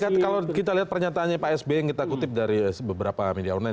tapi kalau kita lihat pernyataannya pak sby yang kita kutip dari beberapa media online